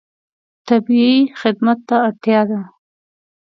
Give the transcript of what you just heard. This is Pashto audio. طبیعي خدمت ته اړتیا ده.